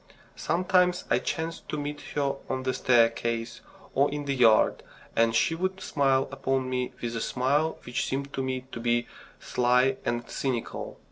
Sometimes I chanced to meet her on the staircase or in the yard, and she would smile upon me with a smile which seemed to me to be sly and cynical.